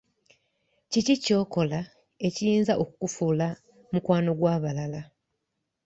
Kiki kyokola ekiyinza okukufuula mukwano gw'abalala?